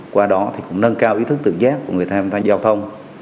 qua đó thì cũng nâng cao ý thức tự giác của người tham gia giao thông